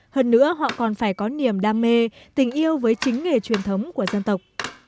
hơn nữa họ còn phải có niềm đam mê tình yêu với chính nghề truyền thống của dân tộc